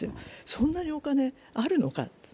そんなにお金あるのか？